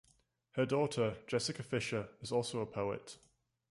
Her daughter, Jessica Fisher, is also a poet.